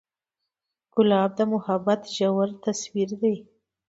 ګلاب د محبت ژور تصویر دی.